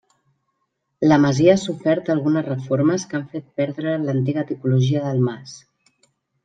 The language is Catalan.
La masia ha sofert algunes reformes que han fet perdre l'antiga tipologia del mas.